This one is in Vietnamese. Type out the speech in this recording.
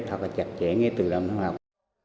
thật là chặt chẽ nghe từ lần học